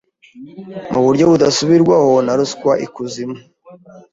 muburyo budasubirwaho na ruswa ikuzimu